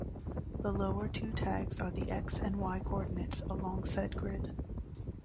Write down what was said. The lower two tags are the "X" and "Y" coordinates along said grid.